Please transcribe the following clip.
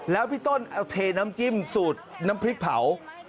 แล้วพี่ต้นเอาเทน้ำจิ้มสูตรน้ำพริกเผา